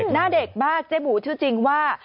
หน้าเด็กมากเจ๊หมูชื่อจริงว่า